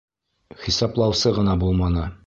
Хисаплаусы ғына булманы.